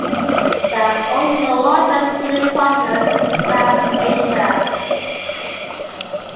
They are also the largest trading partners in South Asia.